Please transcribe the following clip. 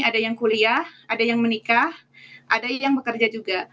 ada yang kuliah ada yang menikah ada yang bekerja juga